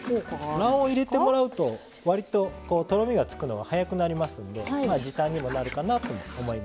卵黄を入れてもらうと割ととろみがつくのが早くなりますので時短にもなるかなとも思います。